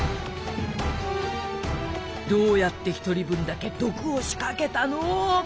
どうやって１人分だけ毒を仕掛けたの？